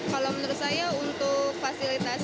kalau menurut saya untuk fasilitas